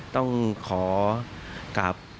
ต้องขอกับ